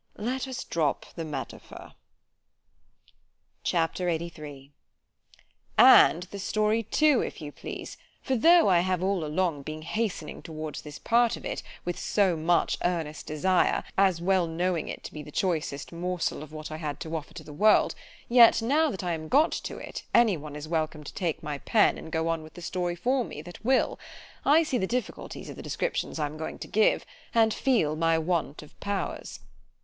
Let us drop the metaphor. C H A P. LXXXIII ——AND the story too—if you please: for though I have all along been hastening towards this part of it, with so much earnest desire, as well knowing it to be the choicest morsel of what I had to offer to the world, yet now that I am got to it, any one is welcome to take my pen, and go on with the story for me that will—I see the difficulties of the descriptions I'm going to give—and feel my want of powers.